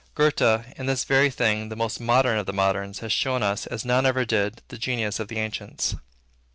Goethe, in this very thing the most modern of the moderns, has shown us, as none ever did, the genius of the ancients.